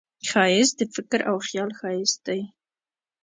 ښایست د فکر او خیال ښایست دی